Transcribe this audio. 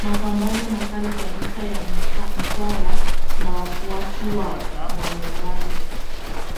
Mapambano makali kabisa ya Mkwawa na wafuasi wa Mwamubambe